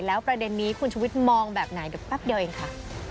แล้วประเด็นนี้คุณชุวิตมองแบบไหนเดี๋ยวแป๊บเดียวเองค่ะ